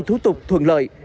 với tôi mọi thủ tục thuận lợi